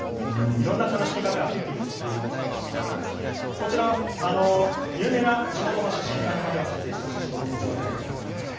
いろんな楽しみ方ができるということで有名な地元の写真家の方が撮影した写真なんですけれども。